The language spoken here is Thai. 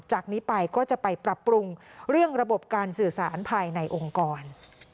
จากนี้ไปก็จะไปปรับปรุงเรื่องระบบการสื่อสารภายในองค์กร